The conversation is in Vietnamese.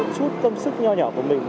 chút công sức nho nhỏ của mình